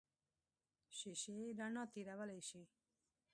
شیشې رڼا تېرولی شي.